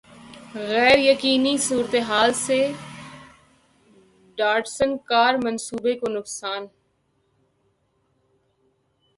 غیریقینی صورتحال سے Datsun car منصوبے کو نقصان